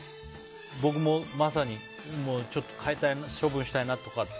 僕も、まさにちょっと処分したいなとか。